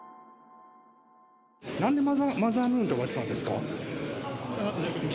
なんでマザームーンって呼ばれてたんですか？